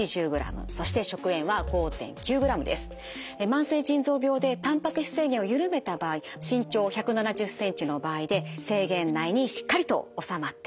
慢性腎臓病でたんぱく質制限を緩めた場合身長１７０ｃｍの場合で制限内にしっかりと収まっています。